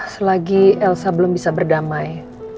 selagi elsa belum bisa berdamai